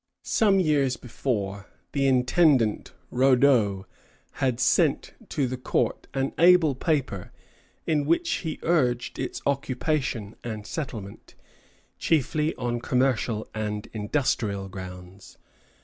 Some years before, the intendant Raudot had sent to the court an able paper, in which he urged its occupation and settlement, chiefly on commercial and industrial grounds.